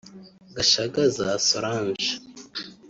Gashagaza Solange